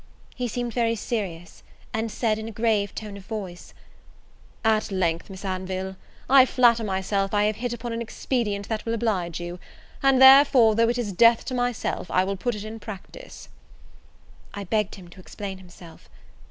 He seemed very serious, and said, in a grave tone of voice, "At length, Miss Anville, I flatter myself I have hit upon an expedient that will oblige you; and therefore, though it is death to myself, I will put in practice." I begged him to explain himself.